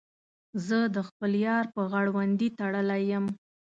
زه د خپل یار په غړوندي تړلی یم.